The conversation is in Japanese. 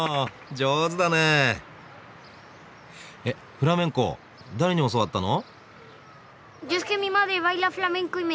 フラメンコ誰に教わったの？